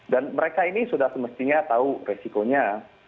dan mereka ini sudah semestinya tahu resikonya